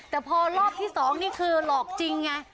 แต่พอรอบที่๒นี่คือหลอกจริงไง